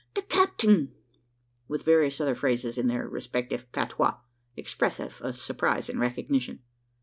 "The capting!" with various other phrases in their respective patois, expressive of surprise and recognition.